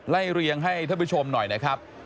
เรียงให้ท่านผู้ชมหน่อยนะครับ